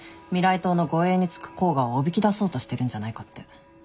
党の護衛に付く甲賀をおびき出そうとしてるんじゃないかって。